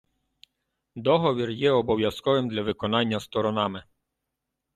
Договір є обов'язковим для виконання сторонами.